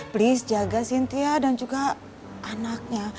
please jaga cynthia dan juga anaknya